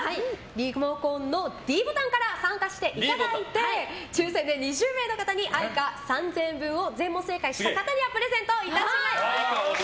リモコンのｄボタンから参加していただいて抽選で２０名の方にＡｉｃａ３０００円分を全問正解した方にはプレゼントいたします。